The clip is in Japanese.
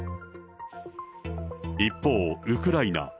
一方、ウクライナ。